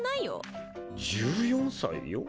１４歳よ。